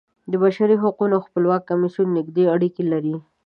د بشري حقونو خپلواک کمیسیون نږدې اړیکې لري.